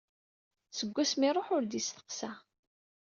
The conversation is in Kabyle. Seg wasmi i iruḥ ur d-isteqsa.